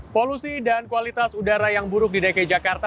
polusi dan kualitas udara yang buruk di dki jakarta